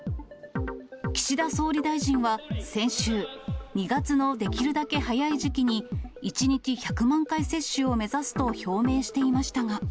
岸田総理大臣は、先週、２月のできるだけ早い時期に、１日１００万回接種を目指すと表明していましたが。